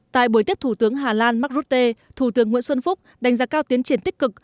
tại buổi tiếp thủ tướng hà lan mark rutte thủ tướng nguyễn xuân phúc đánh giá cao tiến triển tích cực